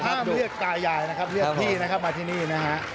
ห้ามเรียกตายายเรียกพี่มาที่นี่นะฮะ